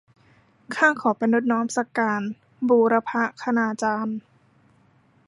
ข้าขอประณตน้อมสักการ บูรพคณาจารย์